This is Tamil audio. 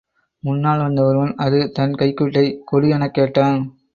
முன்னால் வந்த ஒருவன், அது தன் கைக்குட்டை கொடு எனக் கேட்டான்.